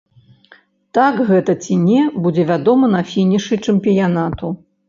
Так гэта ці не, будзе вядома на фінішы чэмпіянату.